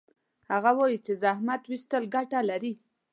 هغه وایي چې زحمت ویستل ګټه لري